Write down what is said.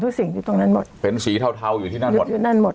ทุกสิ่งอยู่ตรงนั้นหมดเป็นสีเทาอยู่ที่นั่นหมด